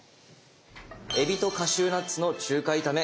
「えびとカシューナッツの中華炒め」